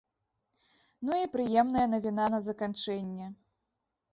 Ну і прыемная навіна на заканчэнне.